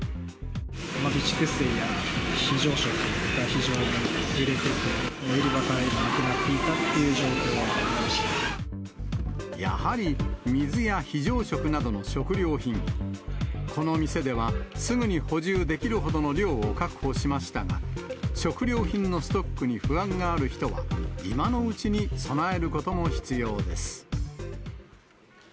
備蓄水や非常食が非常に売れていて、売り場からなくなっていやはり、水や非常食などの食料品、この店ではすぐに補充できるほどの量を確保しましたが、食料品のストックに不安がある人は、今のうちに備えることも必要です。